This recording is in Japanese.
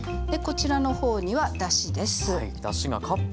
でこちらの方にはだしです。